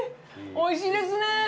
おいしいですね。